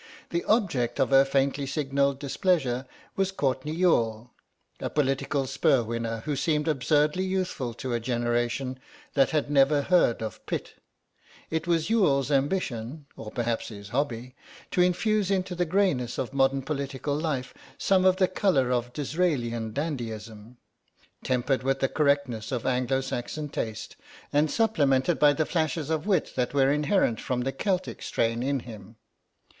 The object of her faintly signalled displeasure was Courtenay Youghal, a political spur winner who seemed absurdly youthful to a generation that had never heard of Pitt. It was Youghal's ambition—or perhaps his hobby—to infuse into the greyness of modern political life some of the colour of Disraelian dandyism, tempered with the correctness of Anglo Saxon taste, and supplemented by the flashes of wit that were inherent from the Celtic strain in him.